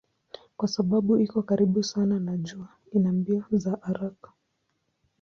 Kwa sababu iko karibu sana na jua ina mbio za haraka.